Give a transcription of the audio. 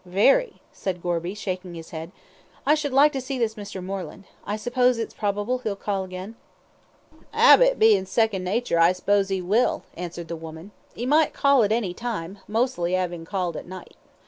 very!" said Gorby, shaking his head. "I should like to see this Mr. Moreland. I suppose it's probable he'll call again?" "'Abit bein' second nature I s'pose he will," answered the woman, "'e might call at any time, mostly 'avin' called at night."